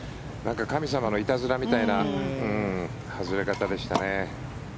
神様のいたずらみたいな外れ方でしたね。